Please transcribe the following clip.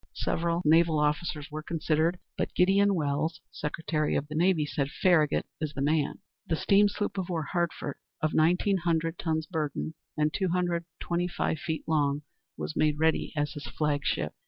Several naval officers were considered, but Gideon Welles, Secretary of the Navy, said, "Farragut is the man." The steam sloop of war, Hartford, of nineteen hundred tons burden, and two hundred twenty five feet long, was made ready as his flag ship.